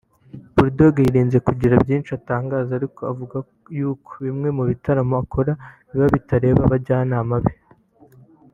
Bull Dogg yirinze kugira byinshi atangaza ariko avuga yuko bimwe mu bitaramo akora biba bitareba abajyanama be